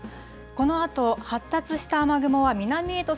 このあと、発達した雨雲は南へと